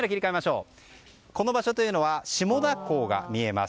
この場所というのは下田港が見えます。